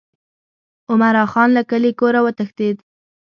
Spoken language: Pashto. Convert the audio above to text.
عمرا خان له کلي کوره وتښتېد.